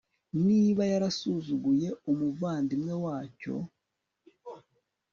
niba yarasuzuguye umuvandimwe wacyo